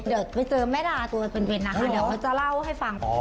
เดี๋ยวไปเจอแม่ดาตัวเป็นนะคะเดี๋ยวเขาจะเล่าให้ฟัง